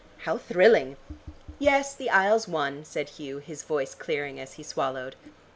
How thrilling!" "Yes, the Isles won," said Hugh, his voice clearing as he swallowed.